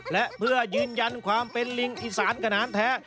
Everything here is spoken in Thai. และเพื่อยืนยันความเป็นลิงอีสานขนาดแท้